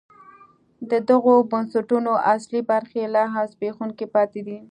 د دغو بنسټونو اصلي برخې لا هم زبېښونکي پاتې دي.